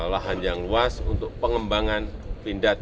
lahan yang luas untuk pengembangan pindad